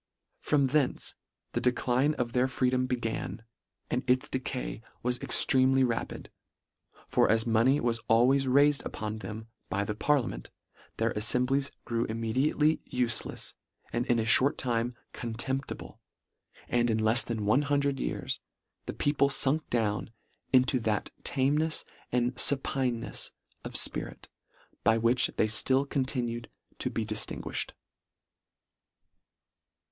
From thence the de cline of their freedom began, and its decay was extremely rapid ; for as money was al ways raifed upon them by the parliament, their alfemblies grew immediately ufelefs and in a fhort time contemptible; and in lefs than one hundred years, the people funk down into that tamenefs and fupinenefs of fpirit by which they fUll continue to be dif tinguiihed."